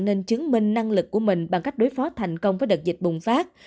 nên chứng minh năng lực của mình bằng cách đối phó thành công với đợt dịch bùng phát